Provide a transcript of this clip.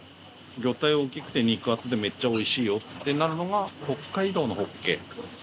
魚体大きくて肉厚でめっちゃ美味しいよってなるのが北海道のホッケ。